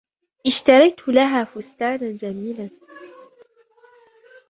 اشتريت لها فستاناً جميلاً.